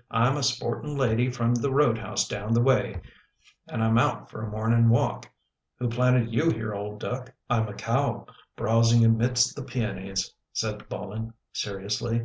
" I'm a sporting lady from the roadhouse down the way an' I'm out for a morning walk. Who planted you here, old duck? "" I'm a cow browsing amidst the peonies/' said Bolin seriously.